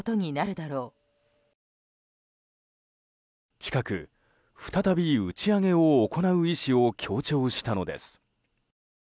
近く、再び打ち上げを行う意思を強調したのです。